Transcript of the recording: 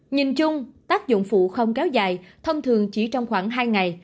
nhìn chung tác dụng phụ không kéo dài thông thường chỉ trong khoảng hai ngày